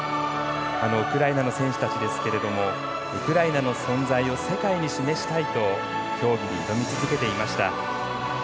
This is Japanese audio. ウクライナの選手たちですが「ウクライナの存在を世界に示したい」と競技に挑み続けていました。